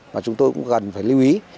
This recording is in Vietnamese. mà chúng tôi cũng gần phải lưu ý